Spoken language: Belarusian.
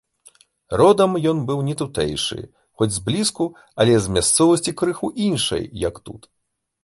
Родам ён быў не тутэйшы, хоць зблізку, але з мясцовасці крыху іншай, як тут.